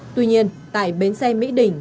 tuy nhiên tại bến xe mỹ đỉnh